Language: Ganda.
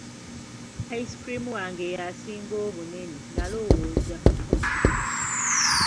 Ice cream wange yasinga obunene, n'alowooza.